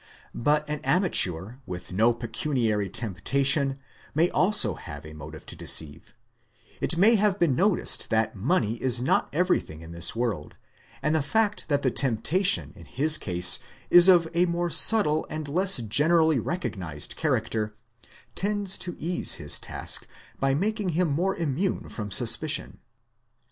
But an amateur with no pecuniary temptation may also have a motive to deceive it may have been noticed that money is not everything in this world and the fact that the temptation in his case is of a more subtle and less generally recognised character tends to ease his task by making him more immune from sus picion.